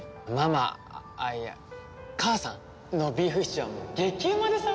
ママああいや母さんのビーフシチューはもう激うまでさ。